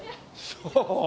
そう？